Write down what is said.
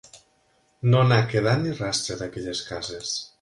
No n'ha quedat ni rastre, d'aquelles cases.